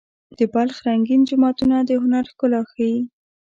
د بلخ رنګین جوماتونه د هنر ښکلا ښيي.